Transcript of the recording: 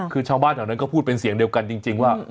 คือชาวบ้านแถวนั้นก็พูดเป็นเสียงเดียวกันจริงว่า